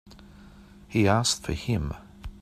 He asked for him.